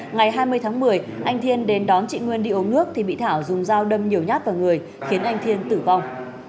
ngày hai mươi tháng một mươi anh thiên đến đón chị nguyên đi uống nước thì bị thảo dùng dao đâm nhiều nhát vào người khiến anh thiên tử vong